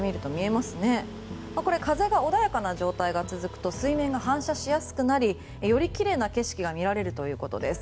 風が穏やかな状況が続くと水面が反射しやすくなりよりきれいな景色が見られるということです。